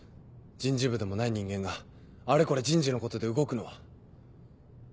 人事部でもない人間があれこれ人事のことで動くのは。